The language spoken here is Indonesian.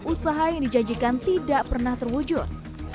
usaha yang dijanjikan tidak pernah terwujud